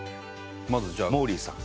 まずじゃあモーリーさん。